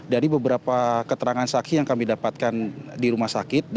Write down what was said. dari beberapa keterangan saksi yang kami dapatkan di rumah sakit